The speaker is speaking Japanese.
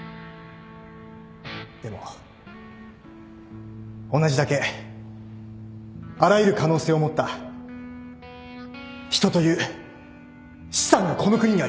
でも同じだけあらゆる可能性を持った人という資産がこの国にはいる。